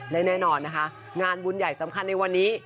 และแน่นอนนะคะงานบุญใหญ่สำคัญในวันนี้